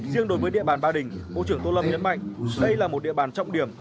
riêng đối với địa bàn ba đình bộ trưởng tô lâm nhấn mạnh đây là một địa bàn trọng điểm